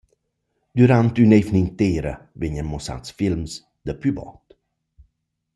Dürant ün’eivna intera vegnan muossats films da plü bod.